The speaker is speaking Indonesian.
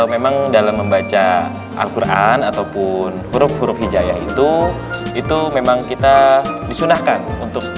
memang dalam membaca al quran ataupun huruf huruf hijaya itu itu memang kita disunahkan untuk